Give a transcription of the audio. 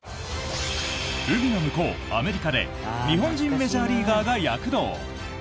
海の向こう、アメリカで日本人メジャーリーガーが躍動！